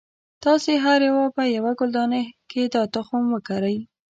تاسې هر یو به یوه ګلدانۍ کې دا تخم وکری.